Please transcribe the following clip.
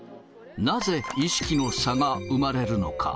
なぜ意識の差が生まれるのか。